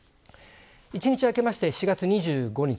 一日空けまして４月２５日